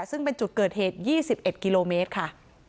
ซึ่งเป็นจุดเกิดเหตุยี่สิบเอ็ดกิโลเมตรค่ะ